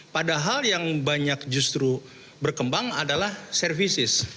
padahal yang banyak justru berkembang adalah services